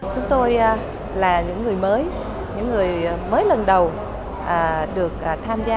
chúng tôi là những người mới những người mới lần đầu được tham gia